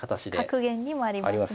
格言にもありますね。